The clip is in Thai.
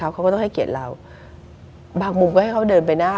ก็ให้เขาเดินไปหน้า